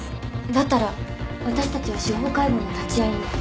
だったら私たちは司法解剖の立ち会いに。